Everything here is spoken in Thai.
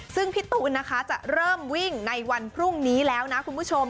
ซึ่งพี่ตูนนะคะจะเริ่มวิ่งในวันพรุ่งนี้แล้วนะคุณผู้ชม